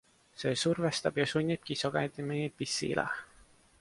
See survestab ja sunnibki sagedamini pissile.